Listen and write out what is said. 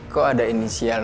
kok ada inisial